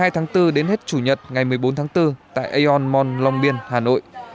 một mươi hai tháng bốn đến hết chủ nhật ngày một mươi bốn tháng bốn tại aeon mall long biên hà nội